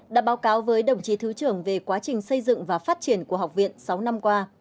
đã báo cáo với đồng chí thứ trưởng về quá trình xây dựng và phát triển của học viện sáu năm qua